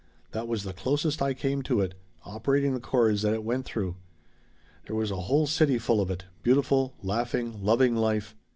That was the closest I came to it operating the cords that it went through. There was a whole city full of it beautiful, laughing, loving Life.